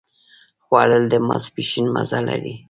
خوړل د ماسپښين مزه لري